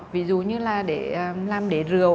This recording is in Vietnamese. ví dụ như là để làm để rượu